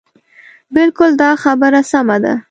بلکل دا خبره سمه ده.